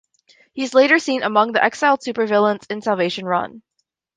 He is later seen among the exiled supervillains in "Salvation Run".